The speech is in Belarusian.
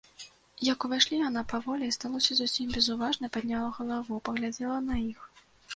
Як увайшлі, яна паволі і, здалося, зусім безуважна падняла галаву, паглядзела на іх.